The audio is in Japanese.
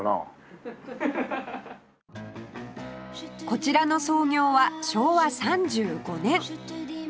こちらの創業は昭和３５年